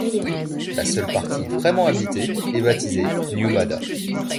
La seule partie vraiment habitée est baptisée New Madha.